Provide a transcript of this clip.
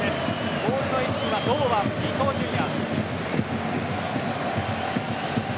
ボールの位置には堂安、伊東純也。